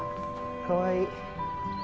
かわいい。